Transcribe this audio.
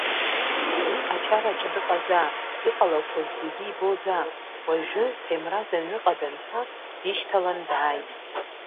Уи ачараҿы дыҟазаап, иҟалақәоз зегьы ибозаап, уажәы, Ҭемраз аҩныҟа данца, дишьҭалан дааит.